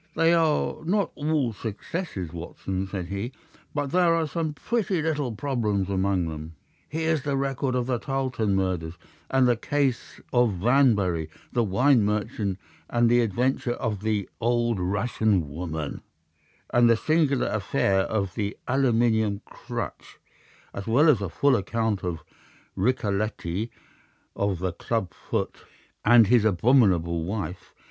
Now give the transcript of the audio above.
"They are not all successes, Watson," said he. "But there are some pretty little problems among them. Here's the record of the Tarleton murders, and the case of Vamberry, the wine merchant, and the adventure of the old Russian woman, and the singular affair of the aluminium crutch, as well as a full account of Ricoletti of the club foot, and his abominable wife.